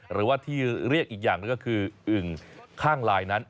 หรือว่าที่เรียกอีกอย่างหนึ่งก็คืออึ่งข้างลายนั้น